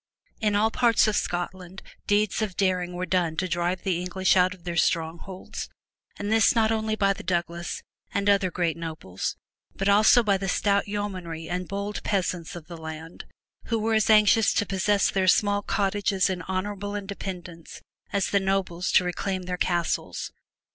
In all parts of Scotland deeds of daring were done to drive the English out of their strongholds and this not only by the Douglas and other great nobles but also by the stout yeomanry and bold peasants of the land, who were as anxious to possess their small cottages in honorable independence as the nobles to reclaim their castles.